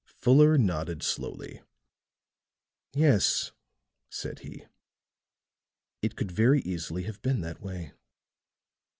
Fuller nodded slowly. "Yes," said he, "it could very easily have been that way.